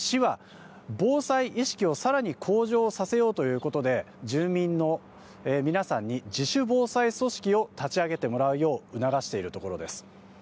そのため、まず市は、防災意識をさらに向上させようということで、住民の皆さんに自主防災組織を立ち上げてもらうよう促しているところです。